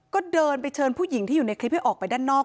ก็เดินไปเชิญผู้หญิงที่อยู่ในคลิปให้ออกไปด้านนอก